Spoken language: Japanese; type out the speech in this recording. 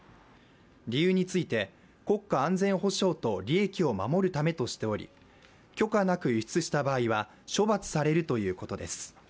理由について、国家安全保障と利益を守るためとしており許可なく輸出した場合は、処罰されるということです。